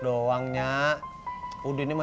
temennya udah growl